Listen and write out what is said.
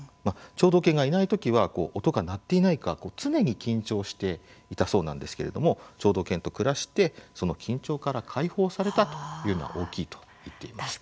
聴導犬がいないときは音が鳴っていないか常に緊張していたそうなんですけれども聴導犬と暮らしてその緊張から解放されたというのは大きいと言っています。